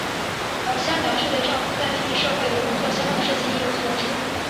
而香苗却对丈夫在秘密社会里工作相关的事情一无所知。